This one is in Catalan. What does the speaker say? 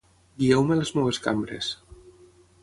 Guieu-me a les meves cambres.